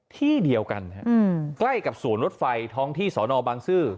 ที่เดียวกันใกล้กับสวนรถไฟท้องที่สอนอบางซื่อ